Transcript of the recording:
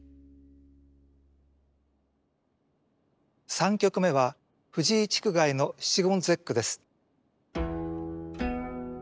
３曲目は藤井竹外の七言絶句です。